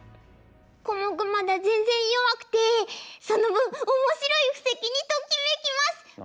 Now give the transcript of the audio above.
コモクまだ全然弱くてその分面白い布石にときめきます！